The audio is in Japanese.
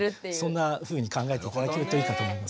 そんなふうに考えて頂けるといいかと思いますね。